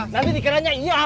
nanti digelarannya iya